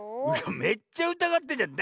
めっちゃうたがってんじゃん。